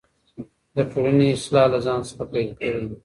د ټولني اصلاح له ځان څخه پیل کړئ.